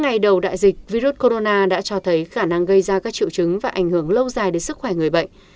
ngày đầu đại dịch virus corona đã cho thấy khả năng gây ra các triệu chứng và ảnh hưởng lâu dài đến sức khỏe người bệnh